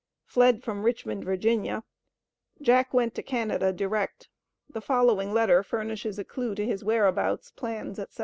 Fled from Richmond, Va. Jack went to Canada direct. The following letter furnishes a clew to his whereabouts, plans, etc.